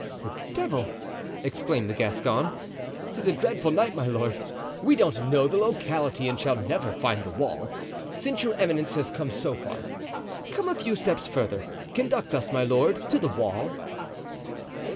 "The devil!" exclaimed the Gascon, "'tis a dreadful night, my lord. We don't know the locality, and shall never find the wall. Since your eminence has come so far, come a few steps further; conduct us, my lord, to the wall."